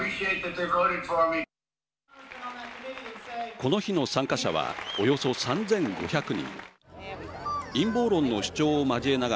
この日の参加者はおよそ３５００人。